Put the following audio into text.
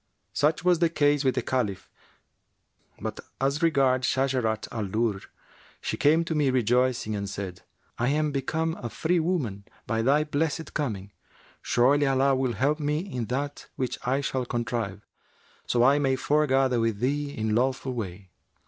Such was the case with the Caliph; but as regards Shajarat al Durr, she came to me rejoicing and said, 'I am become a free woman by thy blessed coming! Surely Allah will help me in that which I shall contrive, so I may foregather with thee in lawful way.'